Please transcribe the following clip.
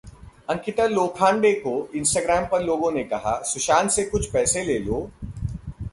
अंकिता लोखंडे को इंस्टाग्राम पर लोगों ने कहा-सुशांत से कुछ पैसे ले लो